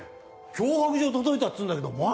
脅迫状届いたっつうんだけどマジ！？